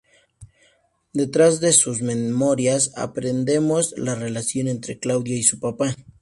Detrás de sus memories, aprendemos la relación entre Claudia y su papa.